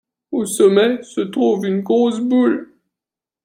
Au sommet se trouve une grosse boule.